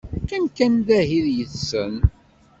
Qqim kan dahi yid-sen.